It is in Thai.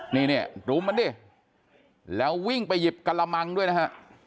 นี่เนี่ยรุมมันดิแล้ววิ่งไปหยิบกระมังด้วยนะฮะ